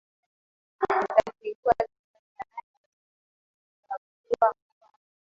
watategua kitendo cha nani atachaguliwa kuwa